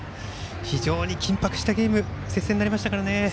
非常に緊迫したゲーム接戦になりましたからね。